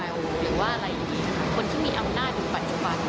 หรือว่าคนที่มีอำนาจหรือปัจจุบัน